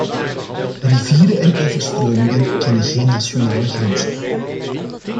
Rivieren en overstromingen kennen geen nationale grenzen.